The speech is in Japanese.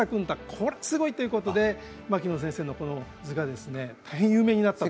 これはすごいということで牧野先生の図が大変有名になったと。